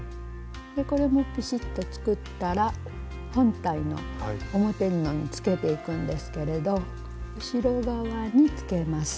これもピシッと作ったら本体の表布につけていくんですけれど後ろ側につけます。